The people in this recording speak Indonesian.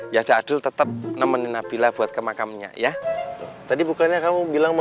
ya udah adil tetap nemenin nabilah buat ke makamnya ya tadi bukannya kamu bilang mau